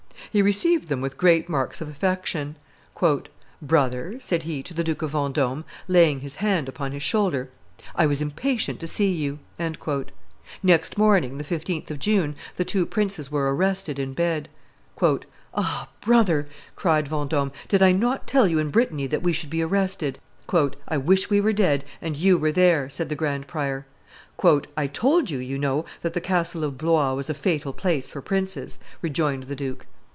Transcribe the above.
He received them with great marks of affection. "Brother," said he to the Duke of Vendome, laying his hand upon his shoulder, "I was impatient to see you." Next morning, the 15th of June, the two princes were arrested in bed. "Ah! brother," cried Vendome, "did not I tell you in Brittany that we should be arrested?" "I wish I were dead, and you were there," said the Grand Prior. "I told you, you know, that the castle of Blois was a fatal place for princes," rejoined the duke.